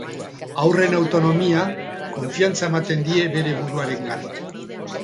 Haurren autonomia konfiantza ematen die bere buruarengan